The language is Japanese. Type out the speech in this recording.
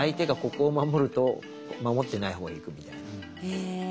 へえ。